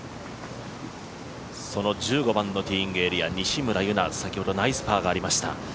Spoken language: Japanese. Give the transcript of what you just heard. その１５番のティーイングエリア西村優菜、先ほどナイスパーがありました。